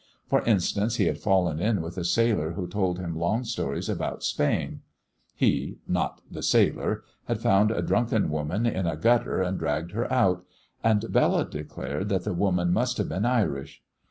For instance, he had fallen in with a sailor who told him long stories about Spain. He (not the sailor) had found a drunken woman in a gutter and dragged her out; and Bella declared that that woman must have been Irish.